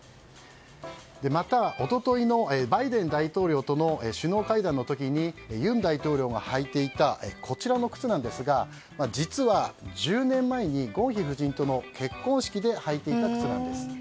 また一昨日のバイデン大統領との首脳会談の時に尹大統領が履いていた靴なんですが実は１０年前にゴンヒ夫人との結婚式で履いていた靴なんです。